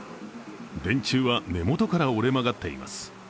電柱は根元から折れ曲がっています。